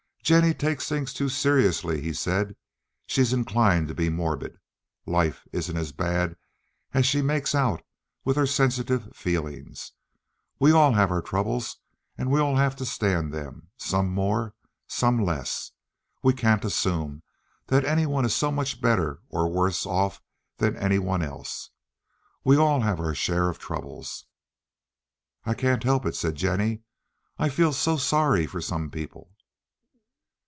"Jennie takes things too seriously," he said. "She's inclined to be morbid. Life isn't as bad as she makes out with her sensitive feelings. We all have our troubles, and we all have to stand them, some more, some less. We can't assume that any one is so much better or worse off than any one else. We all have our share of troubles." "I can't help it," said Jennie. "I feel so sorry for some people."